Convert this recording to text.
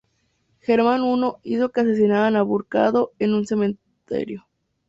Germán I hizo que asesinaran a Burcardo en un cementerio.